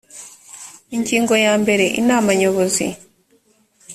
ingingo ya mbere inama nyobozi